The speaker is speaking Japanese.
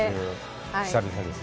久々です。